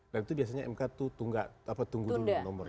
dan itu biasanya mk itu tunggu dulu nomornya